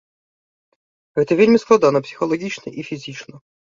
Гэта вельмі складана псіхалагічна і фізічна.